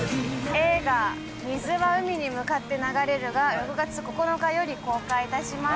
映画『水は海に向かって流れる』が６月９日より公開いたします。